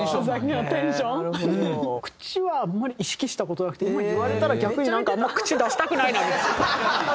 口はあんまり意識した事なくて今言われたら逆になんかあんまり口出したくないな。